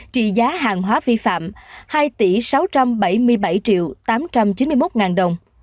trị giá hàng hóa vi phạm hai tỷ sáu trăm bảy mươi bảy triệu tám trăm chín mươi một đồng